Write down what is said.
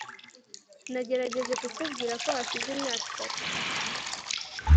Nagerageje kukubwira ko hashize imyaka itatu